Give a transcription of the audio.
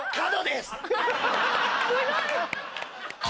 すごい！